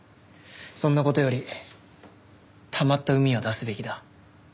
そんな事よりたまった膿は出すべきだ。